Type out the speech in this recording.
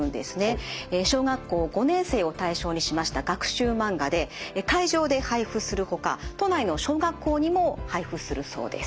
小学校５年生を対象にしました学習漫画で会場で配布するほか都内の小学校にも配布するそうです。